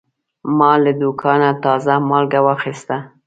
ما له دوکانه تازه مالګه واخیسته.